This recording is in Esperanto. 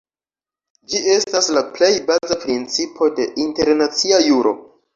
Ĝi estas la plej baza principo de internacia juro.